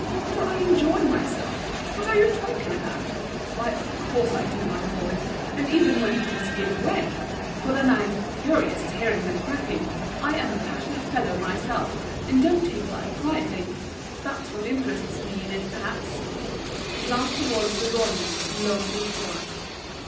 Do I enjoy myself? What are you talking about? Why, of course I do, my boy, and even when things give way, for then I am furious at hearing them cracking, I am a passionate fellow myself, and don't take life quietly; that's what interests me in it perhaps." He glanced towards the drawing room, and lowered his voice.